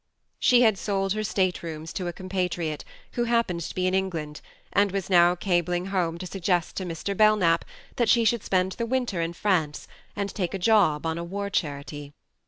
..." She had sold her staterooms to a compatriot who happened to be in England, and was now cabling home to suggest to Mr. Belknap that she 25 26 THE MARNE should spend the winter in France and take a job on a war charity.